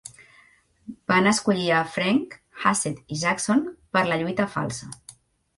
Van escollir a French, Hassett i Jackson per la lluita falsa.